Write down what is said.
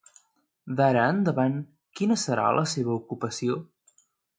D'ara endavant quina serà la seva ocupació?